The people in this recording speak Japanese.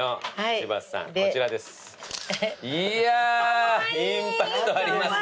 いやインパクトありますね。